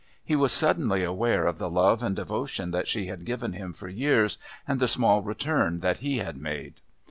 He was suddenly aware of the love and devotion that she had given him for years and the small return that he had made.